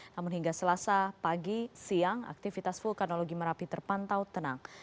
namun hingga selasa pagi siang aktivitas vulkanologi merapi terpantau tenang